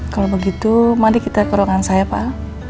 kalau begitu mari kita ke ruangan saya pak